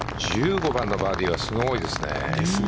１５番のバーディーはすごいですね。